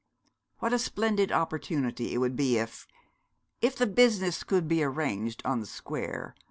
'What a splendid opportunity it would be if if the business could be arranged on the square.